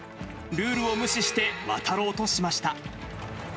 ルールを無視して渡ろうとしました。